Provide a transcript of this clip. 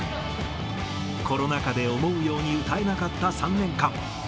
コロナ禍で思うように歌えなかった３年間。